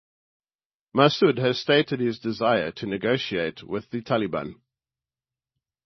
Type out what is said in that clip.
Massoud has stated his desire to negotiate with the Taliban.